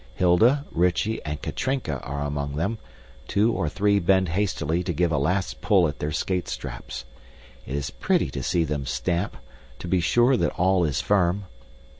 Hilda, Rychie, and Katrinka are among them two or three bend hastily to give a last pull at their skate straps. It is pretty to see them stamp, to be sure that all is firm.